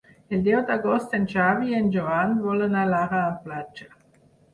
El deu d'agost en Xavi i en Joan volen anar a la platja.